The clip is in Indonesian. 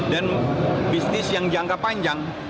dan bisnis yang jangka panjang